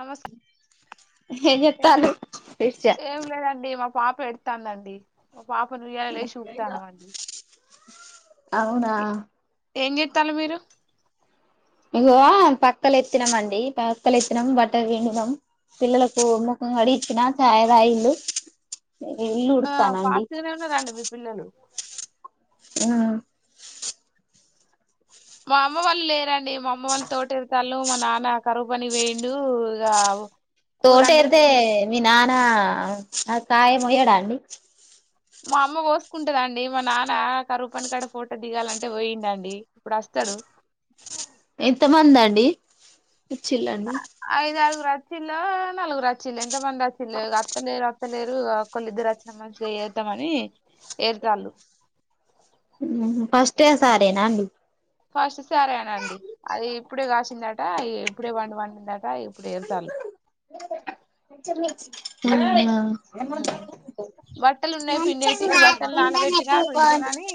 నమస్తే ఏంచేత్తలు [inaudible] ఏం లేదండి మా పాప ఎదుత్తందండి పాపను ఊయాలలా ఎసి ఊపుతానం అండి అవునా ఏం జెత్తలు మీరు ఇగో పక్కలెత్తినం అండి పక్కలెత్తినం బట్టల్ పిండినం పిల్లలకు ముఖం కడిగిచ్చిన చాయ తాగిల్లు ఆ ఫాస్టుగానే ఉన్నారండి మీ పిల్లలు ఉమ్ మా అమ్మ వాళ్ళు లేరన్ డి మా అమ్మ వాళ్ళ తోట ఎరుతన్లు మా నాన్న కరువు పనికి పోయిండు [unintelligible] తోట ఇరతే అండలేదు మీ నా నా ఆ కాయ మొయ్యడ అండి మా అమ్మ పోసుకుంటదండి మా నాన్న కరువుపని కాడా ఫోటో దిగాలన్ టె పోయిండు అండి ఇప్పుడు అస్తడు ఎంత మంది అండి ఇచ్చిళ్ళని రచ్చిలో నాలుగురు అచ్చిన్ ఎంత మంది అచ్చిన్లో ఇగ అత్తలేరు తలేరు ఒకళ్ళు ఇద్దరు వచ్చిన మంచిదే చేద్దామని ఏరుతాళ్ళు ఊహు ఫస్ట్ డే సారేనా అండి ఫస్ట్ సారే అనా అండి అది ఇప్పుడే కాసిందట ఇప్పుడే వండి పండిందట ఇప్పుడు ఏచాల ఉహు బట్టలు ఉన్నాయి పిండేటి బట్టలు నానబెట్టినా పిండితన అని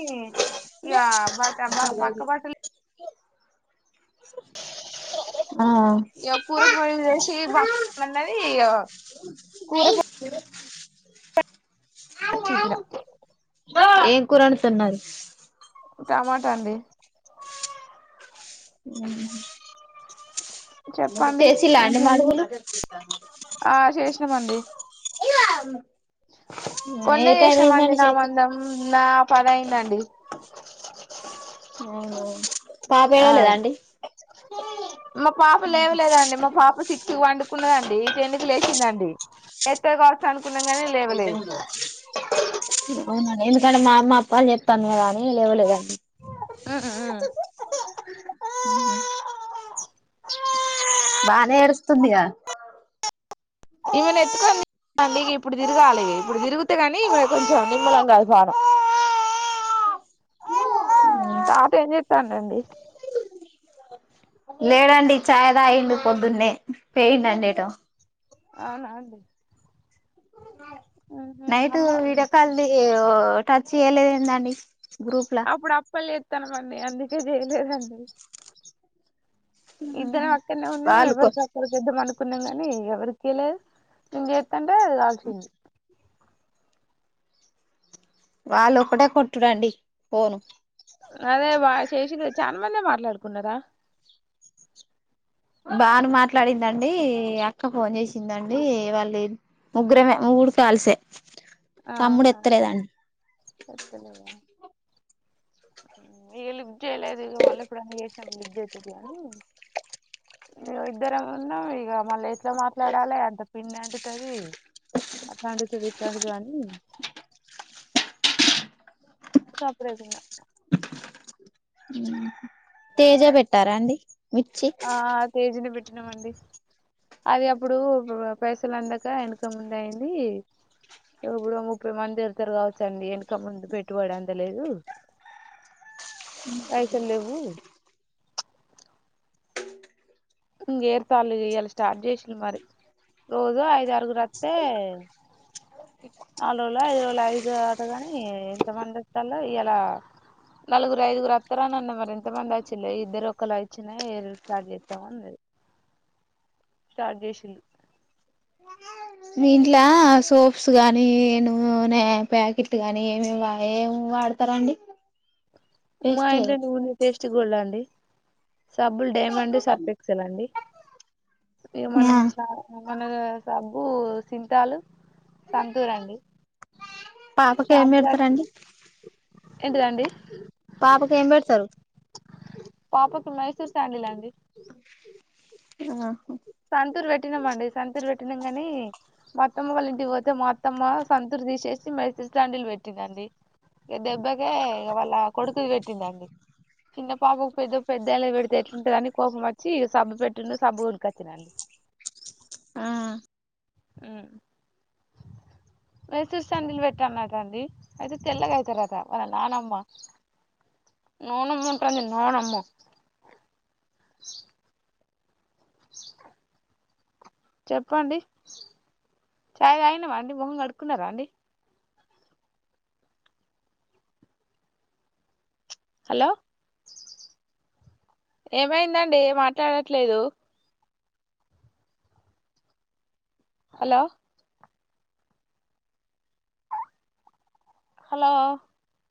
ఇక బట్ట పక్క బట్టలు ఆ ఇో కూరపోడి విదేశ బ అన్నది కూరపో చూపిన ఏం కూర ఒండుతున్నారు టమాటా అండి ఉహు చెప్పండి చేసి అ ఏంటి మడు విష ఆ చేసినామండి ఏ కొన్నే టై చేసి పది అయిందండీ అవునవును ఆ మా పాప లేవలేదండి మా పాప సిక్స్ వండుకున్నదండి ఇకె లేచిందండి ఎత్ వర్షానికి కున్నాం ని లేవలేదు అవునండి ఎందుకంటే మా అమ్మ అప్పలు చేత్తంది కదా అనీ లేవలేదండి ఆ ఆ ఉహు బానే ఎడుస్తుందిగా ఈమెను ఎత్తుకొనిండి ఇక ఇప్పుడు తిరగాలిి ఇప్పుడు తిరుగితే కాని ఈ కొంచెం నిమ్మలం కాదు ఫడం ఉ తాత ఏం చెతానండి లేడండి చాయ్ తాగిండు పొద్దున్నే పోయిండండి ఏటో అవునా అండి నైట్ అమ్మ వీడియో కాల్ ది ఈ టచ్ చేయలేదు ఏందండి గ్రూప్ లా అప్పుడు అప్పలే తనమని అందుకే చేయలేదండి ఇద్దరం అక్కనే ఉన్న వాళ్ళు ఇవరుసక్కకిద్ద మనకు న్నాం కానీ ఎవరికే ఇం అంటే కాల్సింది వాళ్ళు ఒక్కటే కొట్టుడండి పోను అదే వా చేసిి తెచ్చ చానా మంది మాట్లాడుకున్నారా బానే మాట్లాడిందండి అక్క ఫోన్ చేసిందండి వాళ్ళు ముగ్గురమే మూడు కాల్సే తమ్ముడు ఆహా ఎత్తలేదండి ఎతే ఏలి చేయలేదు ఇ వాళ్ళ ఇప్పుడు అ అవుతుంది కానీ ను ఇద్దర ఏ ఉన్నాం ఇక మళ్ళీ ఎట్లా మాట్లాడాలి అంత పిండి అంటతుంది అట్లాంటతుంది ఎట్లాంటది అని సపడదున్నా తేజ పెట్టారా అండి మిర్చి చిమండి అది అప్పుడు పైసలు అందాక వెనక ముందు అయింది ఇప్పుడు ముప్పై మంది తిడతారు కావచ్చండి వెనక ముందు పెట్టుబడు అందలేదు పైసలు లేవు ఇంగేర్ తాళ్ళు ఇయాలి స్టార్ట్ చేసిన మరి రోజు ఐదురుగురస్తే నాలు రోజులు ఐదు రోజుల ఐదు ఆటగాని ఎంతమంది వస్తలో ఇయలా నలుగురు ఐదుగురు వస్తారని అండి మరి ఎంత మంది వచ్చిలే ఇద్దరు ఒకళ్ళు వచ్చిన స్టార్ట్ చేస్తాముది స్టార్ట్ చేసింది మీ ఇంట్ల సోప్స్ గానీ నూనే ప్యాకెట్లు గానీ ఏమే ఏ వాడతారా అండి మా ఇంట్ల నువ్వుల నూనె ఇష్టం మచ్చిగోల్డ్ అండి సబ్బులు డైమండ్ సర్పెక్సల్ అండి ఏ మనం స మన సబ్బు సింతాలు సంతూరండి పాపకి ఏమి పెడతారండి ఎంటిదండి పాపకి ఏం పెడతారు మైసూరు శాండిల్ అండి [inaudible] ఆహా సంతూర్ పెట్టినామండి సంతూర్ పెట్నం కాని మా అత్తమ్మ వాళ్ళ ఇంటికి పోతే మా అత్తమ్మ సంతూర్ తీసేసి మైసూరు శాండిల్ పెట్టిందండి ఇక దెబ్బకే ఇ వాళ్ళ కొడుకులు పెట్టిందండి చిన్న పాపకు పెద్ద పెద్దళ్ళ పెడితే ఎట్లాంటదని కోపంచ్చి సబ్బు పెట్టుండు సబ్బ కొడుక వచ్చినండి ఆ ఊ మైసూరు శాండిల్ పెట్టానుట అండి అయితే తెల్లగ అవుతారట వాళ్ళ నానమ్మ అంటంది నానమ్మ [inaudible] చెప్పండి చాయ్ తాగినవ అండి మొహం కడుక్కున్నారా అండి హలో ఏమైందండి మాట్లాడట్లేదు హలో హలో